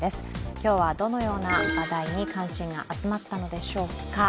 今日はどのような話題に関心が集まったのでしょうか。